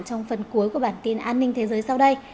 trong phần cuối của bản tin an ninh thế giới sau đây